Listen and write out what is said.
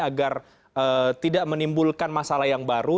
agar tidak menimbulkan masalah yang baru